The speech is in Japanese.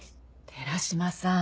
寺島さん。